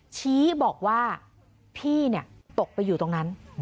ชี้บอกว่าพี่ตกไปอยู่ตรงนั้น